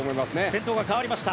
先頭が変わりました。